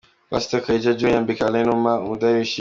Pastor Kaiga John yambika Alain Numa umudari w'ishimwe.